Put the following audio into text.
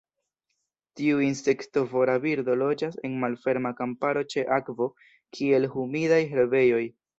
Tiu insektovora birdo loĝas en malferma kamparo ĉe akvo, kiel humidaj herbejoj.